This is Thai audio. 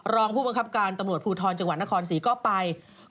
รองผู้บังคับการตำรวจภูทรจังหวัดนครศรีก็ไป